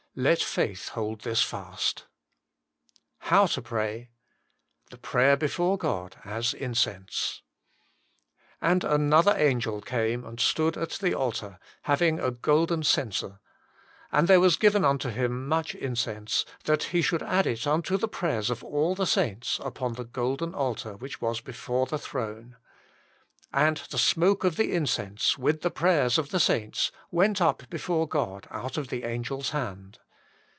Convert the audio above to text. Let lith hold this fast. HOW TO PRAY. tfclje ijpntncr before (Soft as Incense "And another angel came and stood at the altar, having a golden censer ; and there was given unto him much incense, that he should add it unto the prayers of all the saints upon the golden altar which was before the throne. And the smoke of the incense, with the prayers of the saints, went up before God out of the angel s hand.